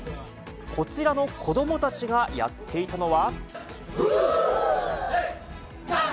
こちらの子どもたちがやっていたのは。